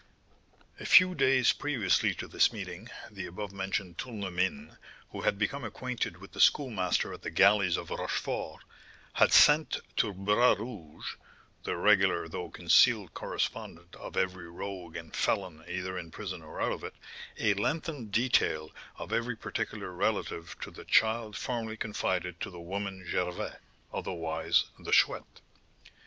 "A few days previously to this meeting, the above mentioned Tournemine, who had become acquainted with the Schoolmaster at the galleys of Rochefort, had sent to Bras Rouge (the regular, though concealed correspondent of every rogue and felon either in prison or out of it) a lengthened detail of every particular relative to the child formerly confided to the woman Gervais, otherwise the Chouette.